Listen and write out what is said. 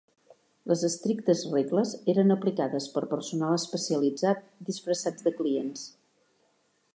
Les estrictes regles eren aplicades per personal especialitzat, disfressats de clients.